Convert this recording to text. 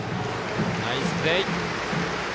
ナイスプレー！